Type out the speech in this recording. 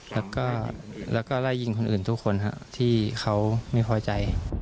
และเละยิงคนอื่นทุกคนที่เขาไม่พ้อใจ